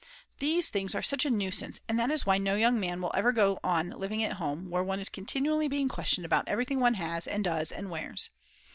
These things are such a nuisance, and that is why no young man will ever go on living at home where one is continually being questioned about everything one has, and does, and wears.